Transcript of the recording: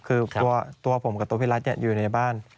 คือตัวผมกับตัวพี่รัฐอยู่ในบ้าน